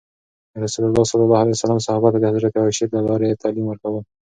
رسول الله ﷺ صحابه ته د حضرت عایشې له لارې تعلیم ورکول.